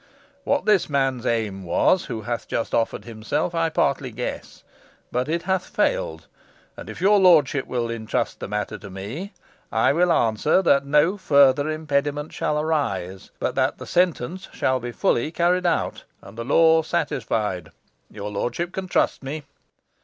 What this man's aim was, who hath just offered himself, I partly guess, but it hath failed; and if your lordship will intrust the matter to me, I will answer that no further impediment shall arise, but that the sentence shall be fully carried out, and the law satisfied. Your lordship can trust me."